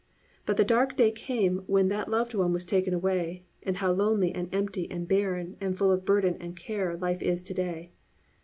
But the dark day came when that loved one was taken away, and how lonely and empty and barren, and full of burden and care, life is to day!